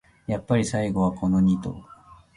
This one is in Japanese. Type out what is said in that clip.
やっぱり最後はこのニ頭